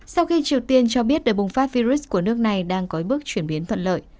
sau khi triều tiên cho biết đợt bùng phát virus của nước này đang có bước chuyển biến thuận lợi